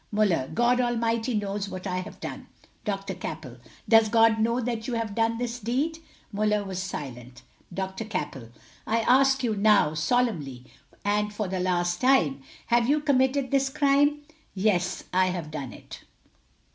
Muller: God Almighty knows what I have done. Dr. Cappell: Does God know that you have done this deed? Muller was silent. Dr. Cappell: I ask you now, solemnly, and for the last time, have you committed this crime? Muller: YES, I HAVE DONE IT.